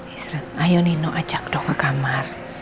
istri ayo nino ajak dok ke kamar